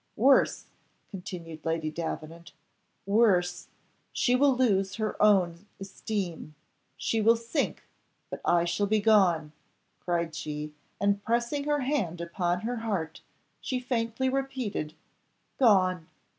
"Worse!" continued Lady Davenant. "Worse! she will lose her own esteem, she will sink, but I shall be gone," cried she, and pressing her hand upon her heart, she faintly repeated, "Gone!"